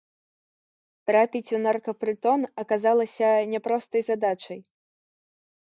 Трапіць у наркапрытон аказалася няпростай задачай.